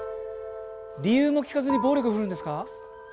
理由も聞かずに暴力振るうんですか。